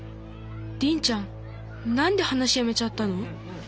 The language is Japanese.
リンちゃん何で話やめちゃったの？